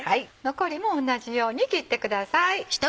残りも同じように切ってください。